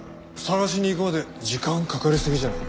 探しに行くまで時間かかりすぎじゃない？